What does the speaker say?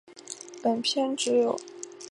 本篇只介绍电视版。